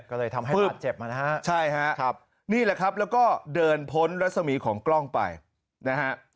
ก็เลยทำให้ผู้บาดเจ็บมานะฮะใช่ครับนี่แหละครับแล้วก็เดินพ้นรัศมีของกล้องไปนะฮะ